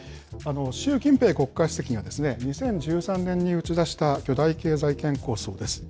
習近平国家主席が２０１３年に打ち出した巨大経済圏構想です。